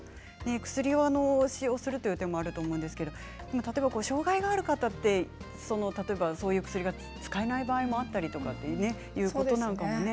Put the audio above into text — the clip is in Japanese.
薬を使用するという手もあると思うんですけど、例えば障害がある方ってそういう薬が使えない場合もあったりとかいうことなんかもね。